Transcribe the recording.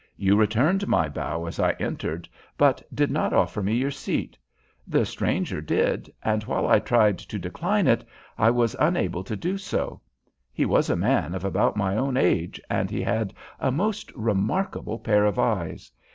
You returned my bow as I entered, but did not offer me your seat. The stranger did, and while I tried to decline it, I was unable to do so. He was a man of about my own age, and he had a most remarkable pair of eyes.